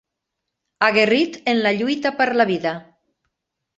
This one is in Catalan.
Aguerrit en la lluita per la vida.